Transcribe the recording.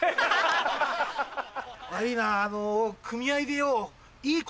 悪ぃな組合でよぉ。